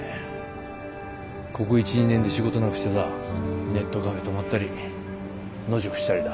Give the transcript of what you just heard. ここ１２年で仕事なくしてさネットカフェ泊まったり野宿したりだ。